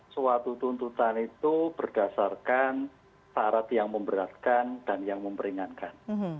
suatu tuntutan itu berdasarkan syarat yang memberatkan dan yang memperingatkan